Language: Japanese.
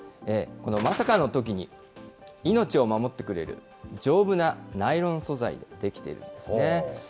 このまさかのときに、命を守ってくれる、丈夫なナイロン素材で出来ているんですね。